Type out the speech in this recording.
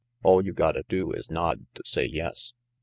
All you gotta do is nod to say * yes.